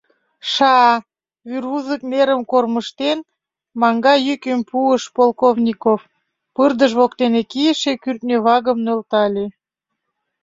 — Ша! — вӱрвузык нерым кормыжтен, маҥга йӱкым пуыш Полковников, пырдыж воктене кийыше кӱртньӧ вагым нӧлтале.